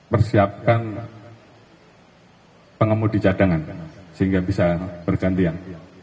persiapkan pengemudi cadangan sehingga bisa bergantian